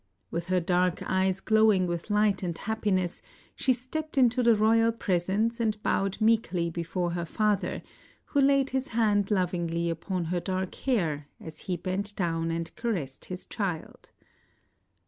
With her dark eyes glowing with hght and happiness she stepped into the royal presence and bowed meekly before her father, who laid his hand lo\ ingly upon her dark hair, as he bent down and caressed his child.